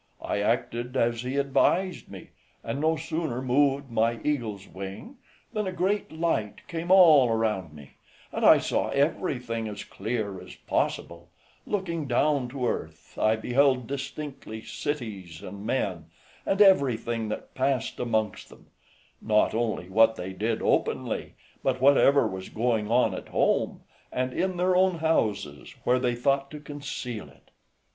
I acted as he advised me, and no sooner moved my eagle's wing, than a great light came all around me, and I saw everything as clear as possible: looking down to earth, I beheld distinctly cities and men, and everything that passed amongst them; not only what they did openly, but whatever was going on at home, and in their own houses, where they thought to conceal it.